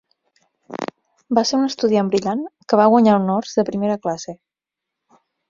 Va ser una estudiant brillant que va guanyar honors de primera classe